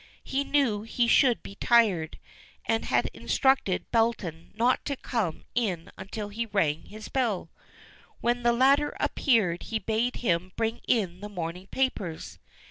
He knew he should be tired, and had instructed Belton not to come in until he rang his bell. When the latter appeared he bade him bring in the morning papers.